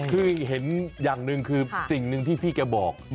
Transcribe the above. คือเห็นอย่างหนึ่งคือสิ่งหนึ่งที่พี่แกบอก